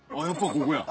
ここや！